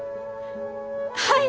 はい！